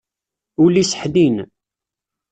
Ul-is ḥnin.